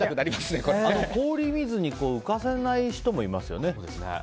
氷水に浮かせない人もいますよね。